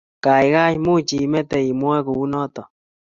Gaigai, much imeete imwoe kunoto?